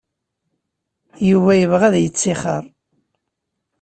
Yuba yebɣa ad yettixer.